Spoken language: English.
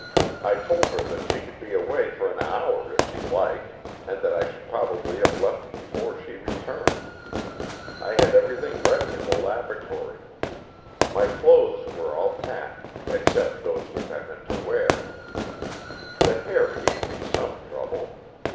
I told her that she could be away for an hour, if she liked, and that I should probably have left before she returned. I had every thing ready in the laboratory. My clothes were all packed, except those which I meant to wear. The hair gave me some trouble.